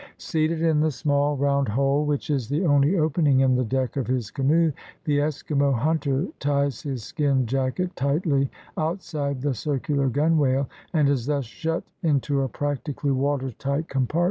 Seated in the small, round hole which is the only opening in the deck of his canoe, the Eskimo hunter ties his skin jacket tightly outside the circular gunwale and is thus ^hut into a practically water tight compartment.